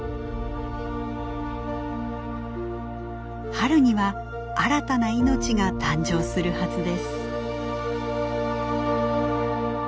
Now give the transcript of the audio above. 春には新たな命が誕生するはずです。